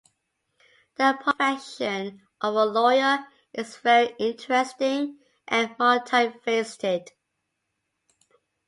The profession of a lawyer is very interesting and multifaceted.